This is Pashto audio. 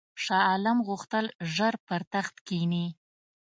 شاه عالم غوښتل ژر پر تخت کښېني.